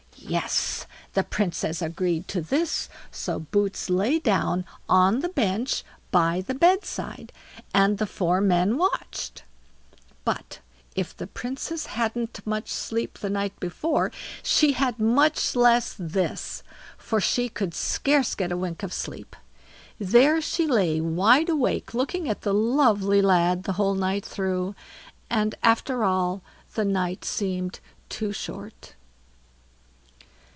Yes! the Princess agreed to this, so Boots lay down on the bench by the bed side, and the four men watched; but if the Princess hadn't much sleep the night before, she had much less this, for she could scarce get a wink of sleep; there she lay wide awake looking at the lovely lad the whole night through, and after all, the night seemed too short.